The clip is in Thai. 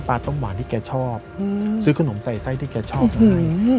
ปลาต้มหวานที่แกชอบอืมซื้อขนมใส่ไส้ที่แกชอบไงอืม